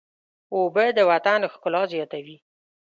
اوبه د وطن ښکلا زیاتوي.